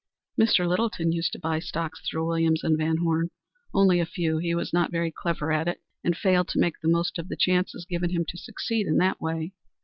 "Mr. Littleton used to buy stocks through Williams and Van Horne only a few. He was not very clever at it, and failed to make the most of the chances given him to succeed in that way.